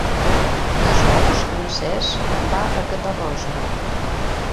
Dijous en Cesc va a Catarroja.